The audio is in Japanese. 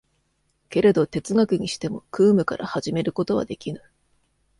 けれど哲学にしても空無から始めることはできぬ。